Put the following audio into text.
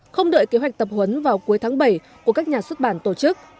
không đợi kế hoạch tập huấn vào cuối tháng bảy của các nhà xuất bản tổ chức